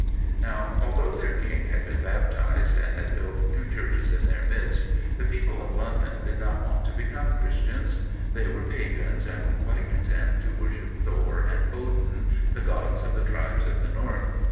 _] Now, although their King had been baptized, and had built two churches in their midst, the people of London did not want to become Christians; they were pagans, and were quite content to worship Thor and Odin, the gods of the tribes of the North.